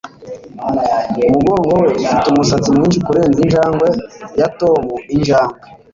umugongo we ufite umusatsi mwinshi kurenza injangwe ya tom injangwe